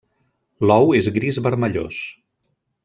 L'ou és gris vermellós.